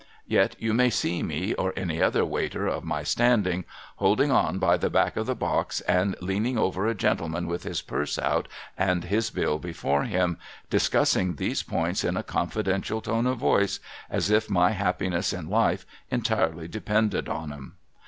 Yet you may see me, or any other Waiter of my standing, holding on by the back of the box, and leaning over a gentleman with his purse out and his bill before him, discussing these points in a confidential tone of voice, as if my happiness in life entirely depended on 'em.